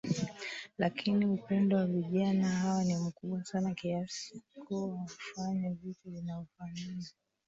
Lakini upendo wa vijana hawa ni mkubwa sana kiasi kuwa hufanya vitu vinavyofanana